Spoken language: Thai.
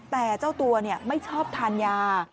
แต่เจ้าตัวไม่ชอบทานยา